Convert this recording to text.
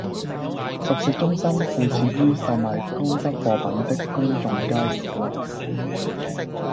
熟食中心附設於售賣乾濕貨品的公眾街市內